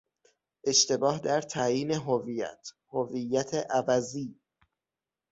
اشتباه در تعیین هویت، هویت عوضی